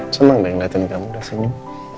senang ben melihat kamu sudah senyum